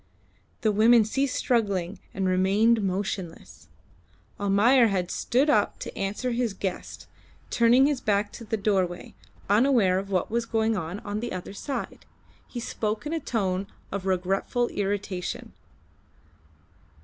The women ceased struggling and remained motionless. Almayer had stood up to answer his guest, turning his back to the doorway, unaware of what was going on on the other side. He spoke in a tone of regretful irritation.